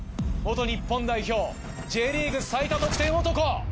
日本代表Ｊリーグ最多得点男！